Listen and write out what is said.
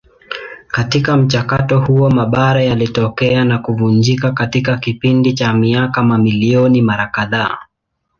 Katika mchakato huo mabara yalitokea na kuvunjika katika kipindi cha miaka mamilioni mara kadhaa.